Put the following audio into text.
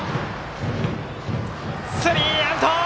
スリーアウト！